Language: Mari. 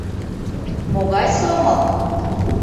Могай сомыл?